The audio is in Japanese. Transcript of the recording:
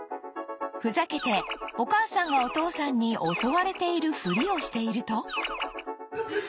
ふざけてお母さんがお父さんに襲われているふりをしていると